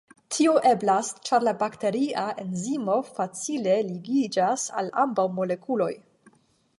Tio eblas, ĉar la bakteria enzimo facile ligiĝas al ambaŭ molekuloj.